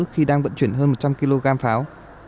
khi đang vận chuyển hơn một trăm linh kg pháo